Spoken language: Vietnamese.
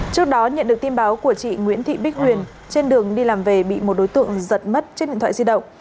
trước đó nhận được tin báo của chị nguyễn thị bích huyền trên đường đi làm về bị một đối tượng giật mất trên điện thoại di động